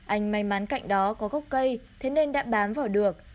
anh may mắn cạnh đó có gốc cây thế nên đã bán vào được